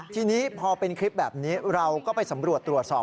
ทีนี้พอเป็นคลิปแบบนี้เราก็ไปสำรวจตรวจสอบ